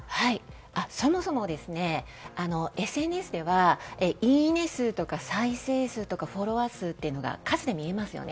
そもそも、ＳＮＳではいいね数とか再生数とかフォロワー数っていうのが数で見えますよね。